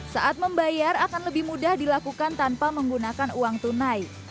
saat membayar akan lebih mudah dilakukan tanpa menggunakan uang tunai